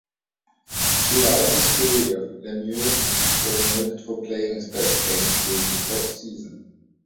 Throughout his career, Lemieux was noted for playing his best games during the postseason.